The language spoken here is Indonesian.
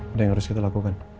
ada yang harus kita lakukan